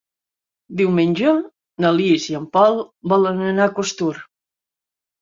Diumenge na Lis i en Pol volen anar a Costur.